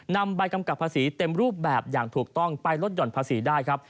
นำใบกำกับภาษีเต็มรูปแบบอย่างถูกต้องไปลดหย่อนภาษีได้ครับ